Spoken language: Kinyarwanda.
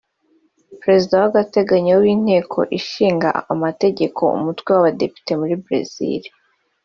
Perezida w’agateganyo w’Inteko Ishinga Amategeko umutwe w’abadepite muri Brazil